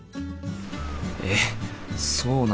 えっそうなんだ。